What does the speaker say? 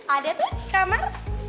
ada tuh kamar